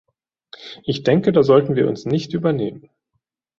Ich denke, da sollten wir uns nicht übernehmen.